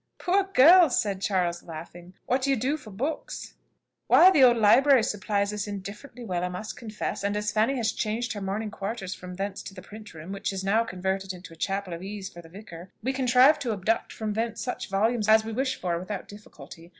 "Poor girls!" said Charles, laughing; "what do you do for books?" "Why, the old library supplies us indifferently well, I must confess; and as Fanny has changed her morning quarters from thence to the print room, which is now converted into a chapel of ease for the vicar, we contrive to abduct from thence such volumes as we wish for without difficulty.